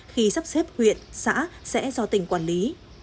khi sắp xếp huyện xã sẽ do tỉnh quản lý